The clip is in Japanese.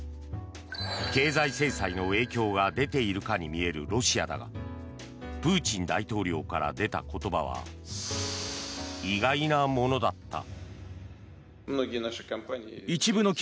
経済制裁の影響が出ているかに見えるロシアだがプーチン大統領から出た言葉は意外なものだった。